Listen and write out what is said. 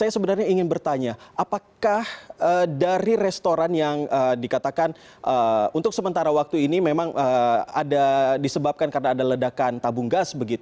saya ingin bertanya apakah dari restoran yang dikatakan untuk sementara waktu ini disebabkan ada ledakan tabung gas